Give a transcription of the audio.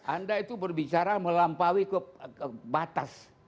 anda itu berbicara melampaui kebatas